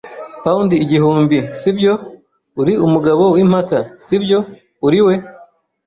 pound igihumbi, nibyo? Uri umugabo wimpaka, sibyo? Uri we